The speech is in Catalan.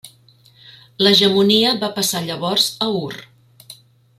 L'hegemonia va passar llavors a Ur.